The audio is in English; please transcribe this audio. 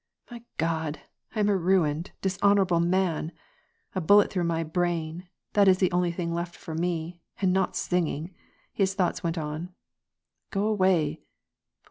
"My God, I am a ruined, dishonorable man! A bullet through my brain, that is the only thing left for me, and not singing !" his thoughts went on. " Gk) away